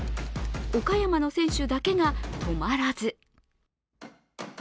岡山の選手だけが止まらず。